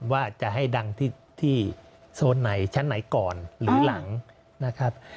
ว่าจะให้ดังที่โซนไหนชั้นไหนก่อนหรือหลังนะครับ